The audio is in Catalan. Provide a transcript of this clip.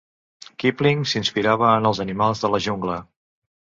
Kipling s'inspirava en els animals de la jungla.